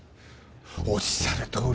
おっしゃるとおりです。